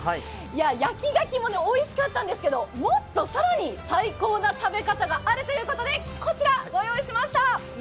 焼き牡蠣もおいしかったんですけど、もっと更に最高な食べ方があるということでこちらご用意しました。